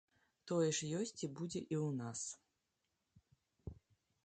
Тое ж ёсць і будзе і ў нас.